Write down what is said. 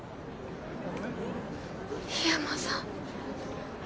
桧山さん。